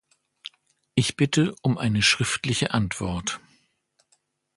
Ich bitte um eine schriftliche Antwort.